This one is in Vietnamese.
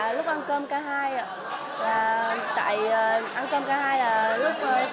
lúc ăn cơm ca hai ăn cơm ca hai là lúc sáu